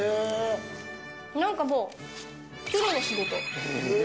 なんかもう、プロの仕事。